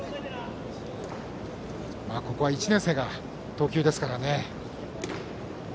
ここは１年生が投球ですからね。